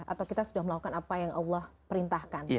atau kita sudah melakukan apa yang allah perintahkan